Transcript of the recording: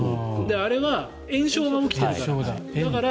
あれは炎症が起きてるから。